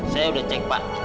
saya udah cek pak